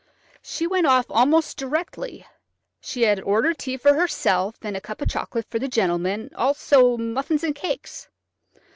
"She went off almost directly. She had ordered tea for herself and a cup of chocolate for the gentleman, also muffins and cakes.